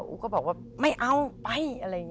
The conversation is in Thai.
อุ๊กก็ไปบอกว่าไม่เอาไป